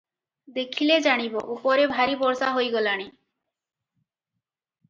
ଦେଖିଲେ ଜାଣିବ, ଉପରେ ଭାରି ବର୍ଷା ହୋଇଗଲାଣି ।